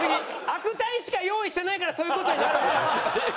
悪態しか用意してないからそういう事になるんだよ。